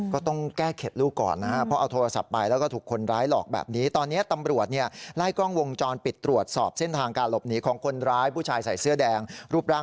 ก็ต้องแก้เข็ดลูกก่อนนะครับ